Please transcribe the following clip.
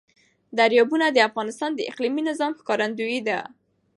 دریابونه د افغانستان د اقلیمي نظام ښکارندوی ده.